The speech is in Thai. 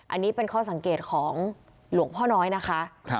อันนี้เป็นข้อสังเกตของหลวงพ่อน้อยนะคะ